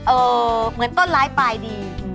เหมือนต้นร้ายปลายดี